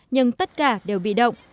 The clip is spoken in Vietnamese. nhưng tất cả đều bị động